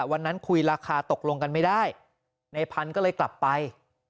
วันนั้นคุยราคาตกลงกันไม่ได้ในพันธุ์ก็เลยกลับไป